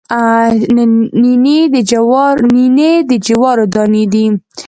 نینې د جوارو دانې دي